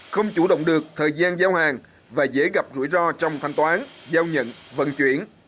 không chủ động được thời gian giao hàng và dễ gặp rủi ro trong thanh toán giao nhận vận chuyển